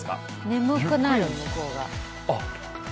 眠くなる、向こうが。